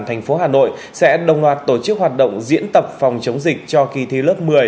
thành phố hà nội sẽ đồng loạt tổ chức hoạt động diễn tập phòng chống dịch cho kỳ thi lớp một mươi